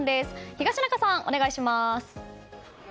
東中さん、お願いします！